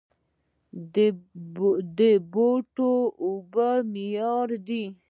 د بوتلو اوبه معیاري دي؟